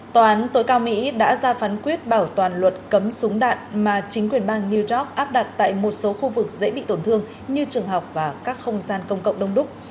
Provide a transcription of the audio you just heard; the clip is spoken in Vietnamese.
tòa án tối cao mỹ đã ra phán quyết bảo toàn luật cấm súng đạn mà chính quyền bang new york áp đặt tại một số khu vực dễ bị tổn thương như trường học và các không gian công cộng đông đúc